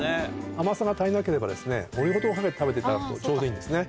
甘さが足りなければオリゴ糖をかけて食べていただくとちょうどいいんですね。